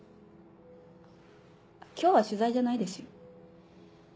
今日は取材じゃないですよ。